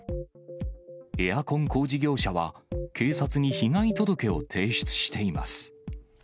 エアコン工事業者は、警察に被害届を提出しています。